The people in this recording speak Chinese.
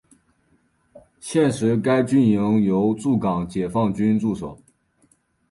现时该军营由驻港解放军驻守。